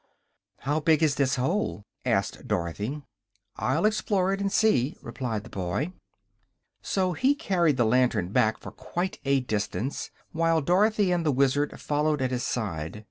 "How big is this hole?" asked Dorothy. "I'll explore it and see," replied the boy. So he carried the lantern back for quite a distance, while Dorothy and the Wizard followed at his side.